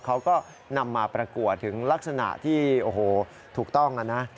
เขาก็นำมาประกวดถึงลักษณะที่โอ้โหถูกต้องนะ